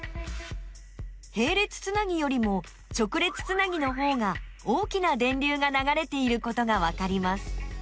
へい列つなぎよりも直列つなぎのほうが大きな電流がながれていることがわかります。